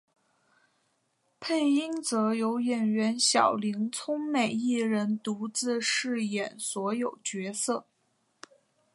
配音则由演员小林聪美一人独自饰演所有角色。